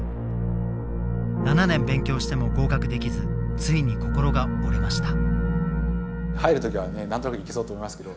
７年勉強しても合格できずついに心が折れました。